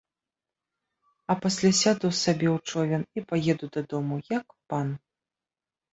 А пасля сяду сабе ў човен і паеду дадому, як пан.